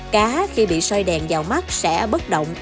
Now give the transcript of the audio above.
cá khi bị soi đèn vào mắt sẽ bất động